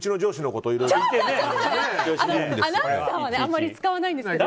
アナウンサーはあまり使わないんです！